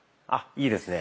いいですね。